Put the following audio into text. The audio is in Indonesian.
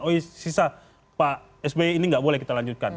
oh ini sisa pak sbi ini gak boleh kita lanjutkan